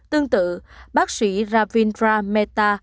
tương tự bác sĩ ravindra mehta